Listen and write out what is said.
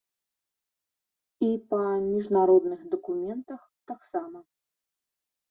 І па міжнародных дакументах таксама.